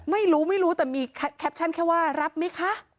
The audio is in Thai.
ไม่รู้ไม่รู้แต่มีแคปชั่นแค่ว่ารับไหมคะ